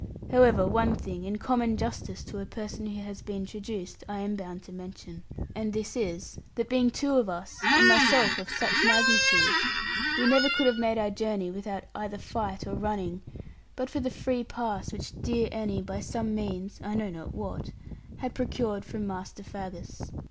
However, one thing, in common justice to a person who has been traduced, I am bound to mention. And this is, that being two of us, and myself of such magnitude, we never could have made our journey without either fight or running, but for the free pass which dear Annie, by some means (I know not what), had procured from Master Faggus.